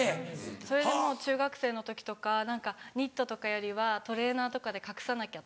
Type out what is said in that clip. それでもう中学生の時とか何かニットとかよりはトレーナーとかで隠さなきゃとか。